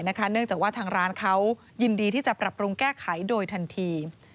เนื่องจากว่าทางร้านเขายินดีที่จะปรับปรุงแก้ไขโดยทันที